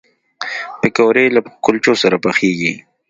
پکورې له کلچو سره پخېږي